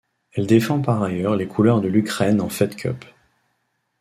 Elle défend par ailleurs les couleurs de l'Ukraine en Fed Cup.